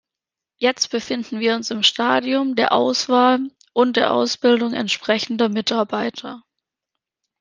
Jetzt befinden wir uns im Stadium der Auswahl und der Ausbildung entsprechender Mitarbeiter.